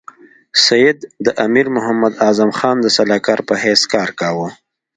سید د امیر محمد اعظم خان د سلاکار په حیث کار کاوه.